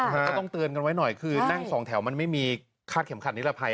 ก็ต้องเตือนกันไว้หน่อยคือนั่งสองแถวมันไม่มีคาดเข็มขัดนิรภัย